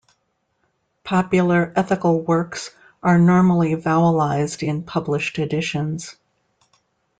Popular ethical works are normally vowelized in published editions.